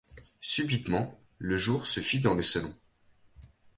Subitement, le jour se fit dans le salon.